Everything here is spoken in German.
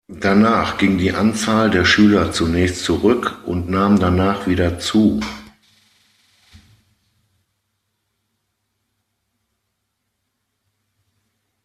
Danach ging die Anzahl der Schüler zunächst zurück und nahm danach wieder zu.